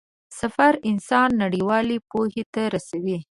سفر انسان نړيوالې پوهې ته رسوي.